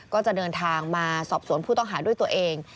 ก็จะเดินทางมาสอบสวนผู้ต้องหาด้วยตัวเอง